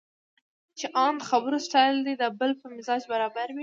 چې ان د خبرو سټایل دې د بل په مزاج برابر وي.